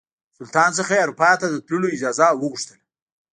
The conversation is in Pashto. د سلطان څخه یې اروپا ته د تللو اجازه وغوښتله.